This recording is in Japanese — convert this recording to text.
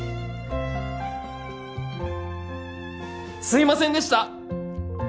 すいませんでした！